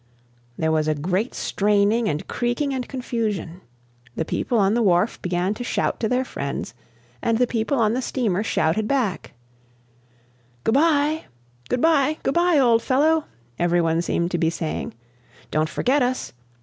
There was a great straining and creaking and confusion. The people on the wharf began to shout to their friends, and the people on the steamer shouted back: "Good bye! Good bye! Good bye, old fellow!" Every one seemed to be saying, "Don't forget us.